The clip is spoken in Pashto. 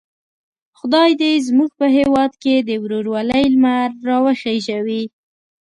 خدای دې زموږ په هیواد کې د ورورولۍ لمر را وخېژوي.